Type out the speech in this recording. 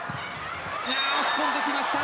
いや押し込んできました。